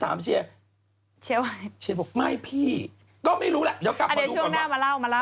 เดี๋ยวช่วงหน้ามาเล่า